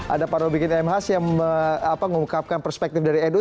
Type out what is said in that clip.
ada pak roby kintemhas yang mengungkapkan perspektif dari nu